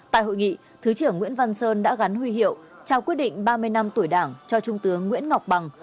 tại hội nghị thứ trưởng nguyễn văn sơn đã gắn huy hiệu trao quyết định ba mươi năm tuổi đảng cho trung tướng nguyễn ngọc bằng